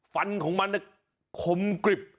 ฟันของมันคมกริบ